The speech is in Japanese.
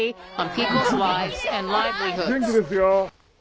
元気ですよ。